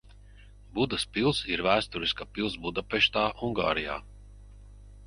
Budas pils ir vēsturiska pils Budapeštā, Ungārijā.